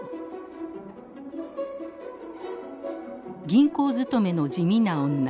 銀行勤めの地味な女